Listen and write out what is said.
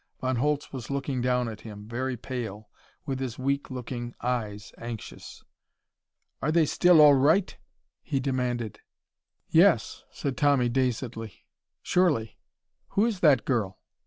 Von Holtz was looking down at him, very pale, with his weak looking eyes anxious. "They are still all right?" he demanded. "Yes," said Tommy dazedly. "Surely. Who is that girl?"